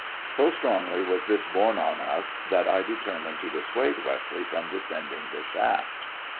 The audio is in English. So strongly was this bam« on us that I determined to dissuade Westleigh from descending the shaft.